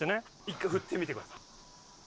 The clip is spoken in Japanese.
一回振ってみてください。